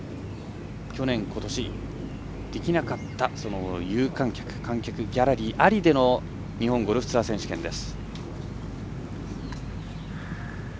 去年、ことし、できなかった有観客、観客ギャラリーありでの日本ゴルフツアー選手権です。